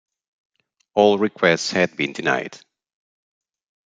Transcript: All requests had been denied.